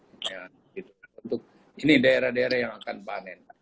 untuk ini daerah daerah yang akan panen